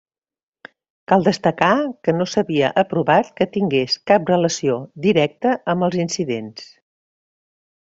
Cal destacar que no s’havia aprovat que tingués cap relació directa amb els incidents.